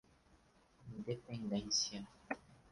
Independência